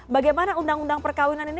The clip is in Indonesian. bagaimana undang undang perkawinan ini